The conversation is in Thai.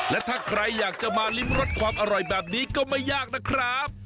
และถ้าใครอยากจะมาริมรสความอร่อยแบบนี้ก็ไม่ยากนะครับ